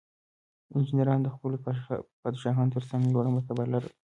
انجینرانو د خپلو پادشاهانو ترڅنګ لوړه مرتبه لرله.